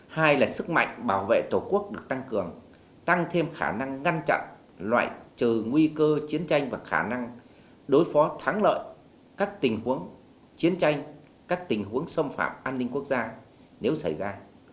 hai là sức mạnh bảo vệ tổ quốc được tăng cường tăng thêm khả năng ngăn chặn loại trừ nguy cơ chiến tranh và khả năng đối phó thắng lợi các tình huống chiến tranh các tình huống xâm phạm an ninh quốc gia nếu xảy ra